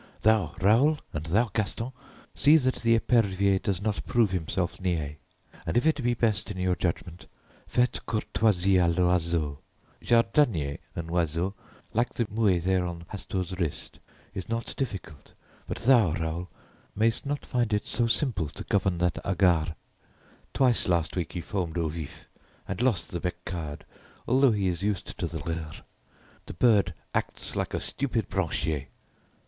Thou Raoul and thou Gaston, see that the epervier does not prove himself niais, and if it be best in your judgment, faites courtoisie à l'oiseau. Jardiner un oiseau, like the mué there on Hastur's wrist, is not difficult, but thou, Raoul, mayest not find it so simple to govern that hagard. Twice last week he foamed au vif and lost the beccade although he is used to the leurre. The bird acts like a stupid _branchier.